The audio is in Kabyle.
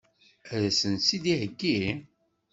Ad sen-tt-id-theggi?